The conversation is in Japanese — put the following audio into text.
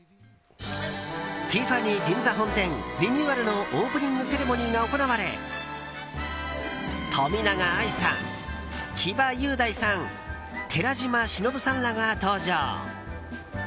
ティファニー銀座本店リニューアルのオープニングセレモニーが行われ冨永愛さん、千葉雄大さん寺島しのぶさんらが登場。